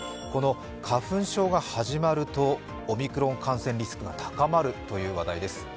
この花粉症が始まるとオミクロン感染リスクが高まるという話題です。